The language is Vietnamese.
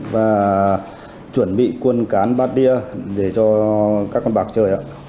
và chuẩn bị quân cán bát đia để cho các con bạc chơi ạ